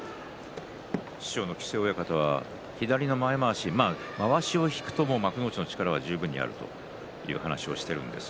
師匠の木瀬親方は右の前まわしを引くと幕内の力は十分あると話しています。